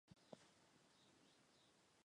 该工程极为浩大。